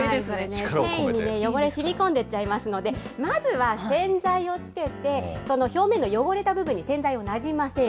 生地に汚れしみこんでいっちゃいますので、まずは洗剤をつけて、その表面の汚れた部分に洗剤をなじませる。